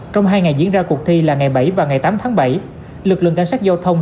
trong hai ngày diễn ra cuộc thi là ngày bảy và ngày tám tháng bảy lực lượng cảnh sát giao thông